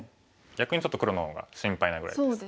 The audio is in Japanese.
逆にちょっと黒の方が心配なぐらいです。